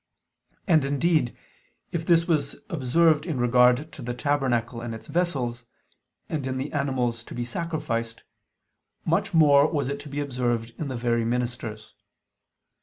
And, indeed, if this was observed in regard to the tabernacle and its vessels, and in the animals to be sacrificed, much more was it to be observed in the very ministers.